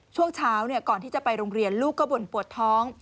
ช่วงเช้าก่อนที่จะไปโรงเรียนลูกก็บ่นปวดท้อง